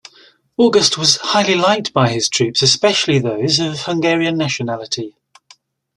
August was highly liked by his troops, especially those of Hungarian nationality.